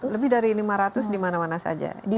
lebih dari lima ratus dimana mana saja